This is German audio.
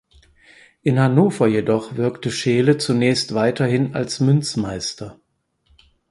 In Hannover jedoch wirkte Scheele zunächst weiterhin als Münzmeister.